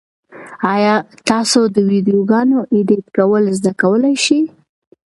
ایا تاسو د ویډیوګانو ایډیټ کول زده کولای شئ؟